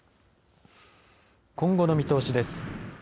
今後の見通しです。